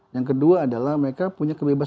yang kedua adalah mereka punya kebebasan